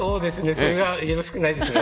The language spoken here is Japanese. それはよろしくないですね。